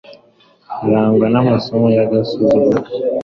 barangwa n'amaso y'agasuzuguro